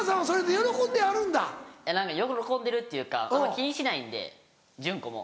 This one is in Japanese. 喜んでるっていうかあんま気にしないんでジュンコも。